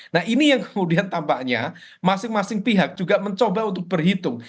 nah ini yang kemudian tampaknya masing masing pihak juga mencoba untuk berhitung